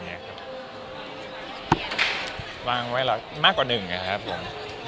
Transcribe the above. มากกว่า๑เดียวนะครับผม